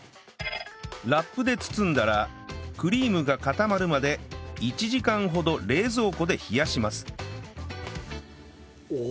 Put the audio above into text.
ラップで包んだらクリームが固まるまで１時間ほど冷蔵庫で冷やします